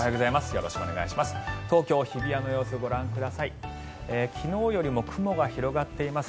よろしくお願いします。